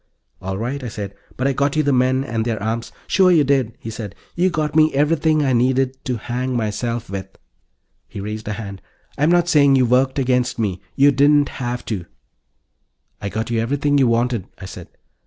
"All right," I said. "But I got you the men and their arms " "Sure you did," he said. "You got me everything I needed to hang myself with." He raised a hand. "I'm not saying you worked against me. You didn't have to." "I got you everything you wanted," I said.